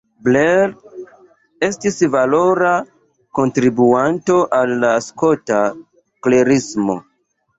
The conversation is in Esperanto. Blair estis valora kontribuanto al la skota klerismo.